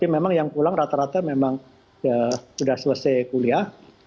mulai mulai rata rata memang sudah selesai kuliah